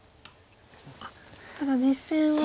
ただ実戦は。